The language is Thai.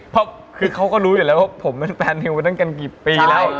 เพราะคือเขาก็รู้อยู่แล้วว่าผมเป็นแฟนนิวมาตั้งกันกี่ปีแล้ว